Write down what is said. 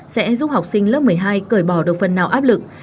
sẽ giúp học sinh lớp một mươi hai cởi bỏ được phần nào áp lực